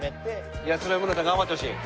いやそれは頑張ってほしい。